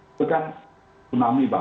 itu kan tsunami